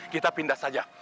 kita pindah saja